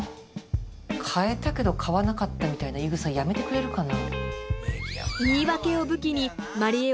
買えたけど買わなかったみたいな言い草やめてくれるかな。